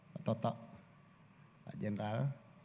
pak toto pak general